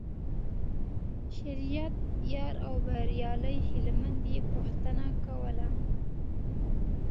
شریعت یار او بریالي هلمند یې پوښتنه کوله.